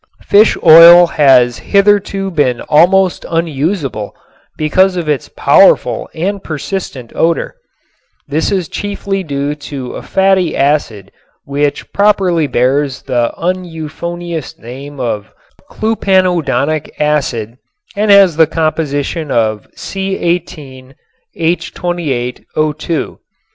Fish oil has hitherto been almost unusable because of its powerful and persistent odor. This is chiefly due to a fatty acid which properly bears the uneuphonious name of clupanodonic acid and has the composition of C_H_O_.